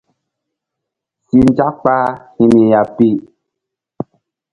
Si nzak kpah hi ni ya pi.